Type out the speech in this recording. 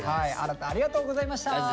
新ありがとうございました。